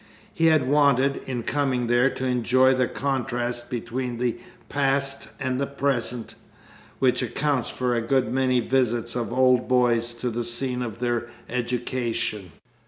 He had wanted, in coming there, to enjoy the contrast between the past and present which accounts for a good many visits of "old boys" to the scene of their education.